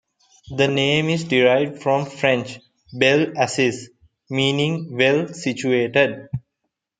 The name is derived from French "bel assis" meaning 'well situated'.